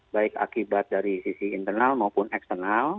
baik akibat dari sisi internal maupun eksternal